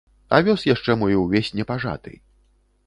Авёс яшчэ мой увесь не пажаты.